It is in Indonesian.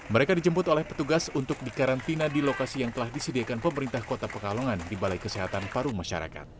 mereka dijemput oleh petugas untuk dikarantina di lokasi yang telah disediakan pemerintah kota pekalongan di balai kesehatan paru masyarakat